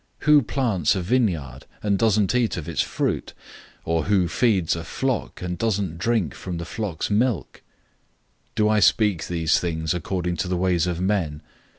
Who plants a vineyard, and doesn't eat of its fruit? Or who feeds a flock, and doesn't drink from the flock's milk? 009:008 Do I speak these things according to the ways of men?